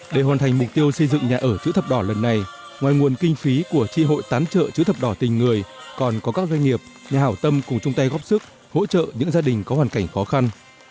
để hoàn thành mục tiêu xây dựng nhà ở chữ thập đỏ lần này ngoài nguồn kinh phí của tri hội tán trợ chữ thập đỏ tình người còn có các doanh nghiệp nhà hảo tâm cùng chung tay góp sức hỗ trợ những gia đình có hoàn cảnh khó khăn